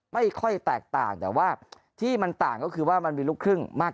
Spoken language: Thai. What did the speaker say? ไม่ค่อยแตกต่างแต่ว่าที่มันต่างก็คือว่ามันมีลูกครึ่งมาก